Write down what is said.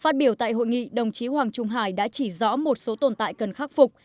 tại hội nghị đồng chí hoàng trung hải đã chỉ rõ một số tồn tại cần khắc phục